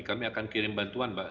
kami akan kirim bantuan mbak